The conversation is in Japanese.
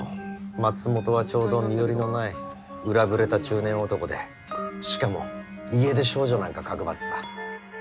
松本はちょうど身寄りのないうらぶれた中年男でしかも家出少女なんかかくまってた。